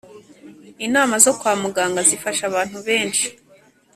inama zo kwa muganga zifasha abantu benshi.